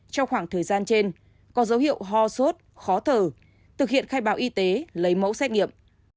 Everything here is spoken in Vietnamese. trong khoảng thời gian trên có dấu hiệu ho sốt khó thở thực hiện khai báo y tế lấy mẫu xét nghiệm